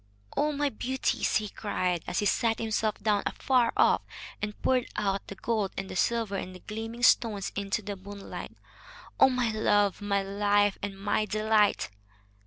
"Oh, my beauties!" he cried, as he sat himself down afar off and poured out the gold and the silver and the gleaming stones into the moonlight. "Oh, my love, my life, and my delight!